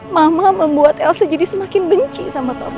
mama membuat elsa jadi semakin benci sama kamu